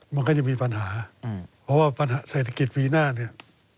มันก็จะมีปัญหาเพราะว่าปัญหาเศรษฐกิจปีหน้าเนี่ย